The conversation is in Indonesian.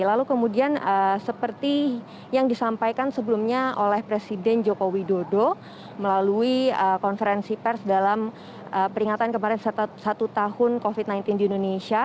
lalu kemudian seperti yang disampaikan sebelumnya oleh presiden joko widodo melalui konferensi pers dalam peringatan kemarin satu tahun covid sembilan belas di indonesia